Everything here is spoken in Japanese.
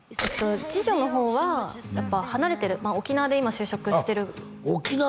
次女の方はやっぱ離れてる沖縄で今就職してるあっ沖縄？